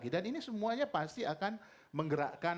dan ini semuanya pasti akan menggerakkan